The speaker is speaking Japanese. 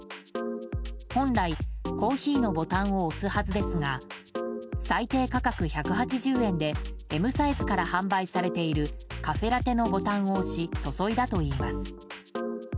本来「コーヒー」のボタンを押すはずですが最低価格１８０円でＭサイズから販売されているカフェラテのボタンを押し注いだといいます。